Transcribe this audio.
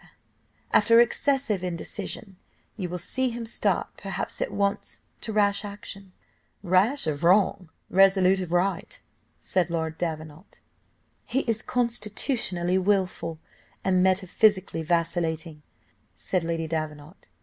After excessive indecision, you will see him start perhaps at once to rash action." "Rash of wrong, resolute of right," said Lord Davenant. "He is constitutionally wilful, and metaphysically vacillating," said Lady Davenant.